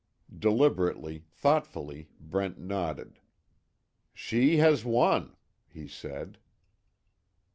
Deliberately thoughtfully, Brent nodded: "She has won," he said.